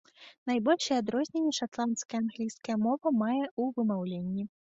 Найбольшыя адрозненні шатландская англійская мова мае ў вымаўленні.